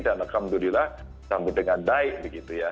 dan alhamdulillah sambut dengan baik